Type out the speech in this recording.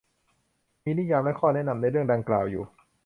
มีนิยามและข้อแนะนำในเรื่องดังกล่าวอยู่